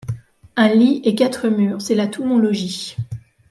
Un lit et quatre murs, c'est là tout mon logis.